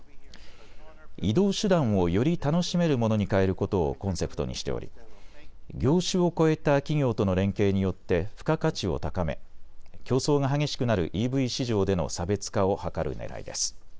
移動手段を、より楽しめるものに変えることをコンセプトにしており業種を越えた企業との連携によって付加価値を高め競争が激しくなるＥＶ市場での差別化を図るねらいです。